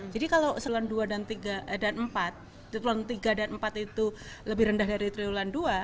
jadi kalau triwulan tiga dan empat itu lebih rendah dari triwulan dua